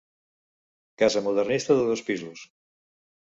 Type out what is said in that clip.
Casa modernista de dos pisos.